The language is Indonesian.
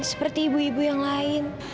seperti ibu ibu yang lain